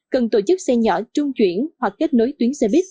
cần tổ chức xe nhỏ trung chuyển hoặc kết nối tuyến xe buýt